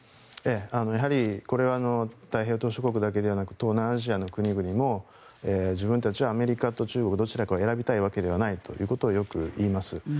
やはり、これは太平洋島しょ国だけでなく東南アジアの国々も自分たちはアメリカと中国どちらかを選びたいわけではないということをよく言います。